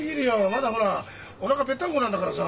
まだほらおなかペッタンコなんだからさ。